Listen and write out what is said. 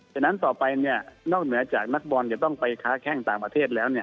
ดังนั้นต่อไปเนี๊ยะนอกเหนือจากนักบอลจะต้องไปข้าแค่งต่างประเทศแล้วเนี่ย